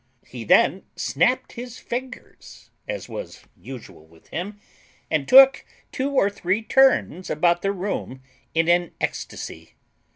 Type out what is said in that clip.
He then snapt his fingers (as was usual with him), and took two or three turns about the room in an extasy.